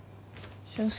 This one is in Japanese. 俊介。